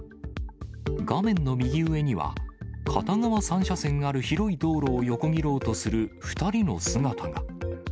画面の右上には、片側３車線ある広い道路を横切ろうとする２人の姿が。